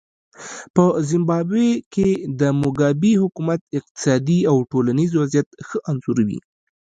په زیمبابوې کې د موګابي حکومت اقتصادي او ټولنیز وضعیت ښه انځوروي.